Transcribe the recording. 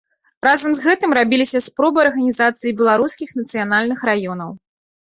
Разам з гэтым рабіліся спробы арганізацыі беларускіх нацыянальных раёнаў.